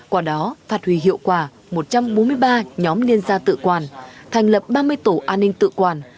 qua đó phát huy hiệu quả một trăm bốn mươi ba nhóm liên gia tự quản thành lập ba mươi tổ an ninh tự quản